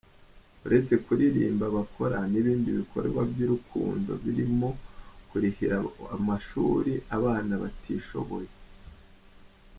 Uretse kuririmba bakora n’ibindi bikorwa by’urukundo birimo kurihirira amashuri abana batishoboye.